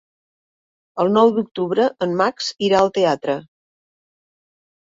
El nou d'octubre en Max irà al teatre.